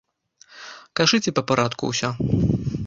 Кажыце па парадку ўсё.